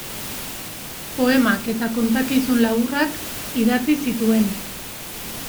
Poemak eta kontakizun laburrak idatzi zituen.